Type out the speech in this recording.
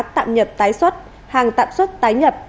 tạm nhập tái xuất hàng tạm xuất tái nhập